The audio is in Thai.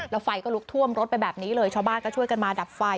แล้วไฟก็ลุกท่วมรถไปแบบนี้เลยชาวบ้านก็ช่วยกันมาดับไฟ